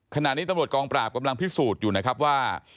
ขณะนี้ตำรวจกองปราบกำลังพิสูจน์อยู่นะครับว่า